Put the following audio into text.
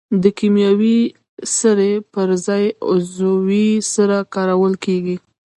د کیمیاوي سرې پر ځای عضوي سره کارول کیږي.